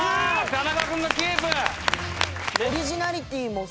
田仲君がキープ。